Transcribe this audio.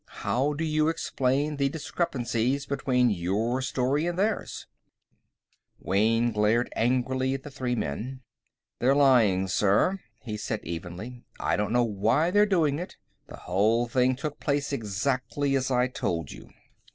How do you explain the discrepancies between your story and theirs?" Wayne glared angrily at the three men. "They're lying, sir," he said evenly. "I don't know why they're doing it. The whole thing took place exactly as I told you."